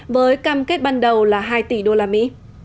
với cam kết ban đầu là hai tỷ đô la mỹ